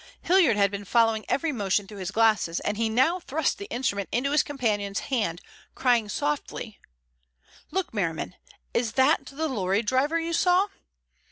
Hilliard had been following every motion through his glass, and he now thrust the instrument into his companion's hand, crying softly: "Look, Merriman. Is that the lorry driver you saw?"